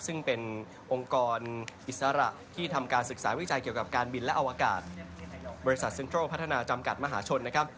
ซึ่งเป็นองค์กรอิสระที่ทำการศึกษาวิจัยเกี่ยวกับการบินและอวกาศบริษัทเซ็นทรัลพัฒนาจำกัดมหาชนนะครับ